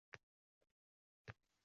Yoʼqsillarning bor matohi – gadoy toʼrva!